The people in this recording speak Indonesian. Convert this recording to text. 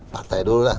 partai dulu dah